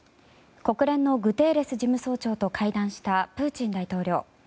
国連のグテーレス事務総長と会談したプーチン大統領。